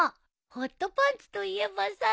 ホットパンツといえばさ